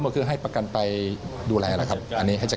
ต่างคื้นการมันบร็อบการศึกษา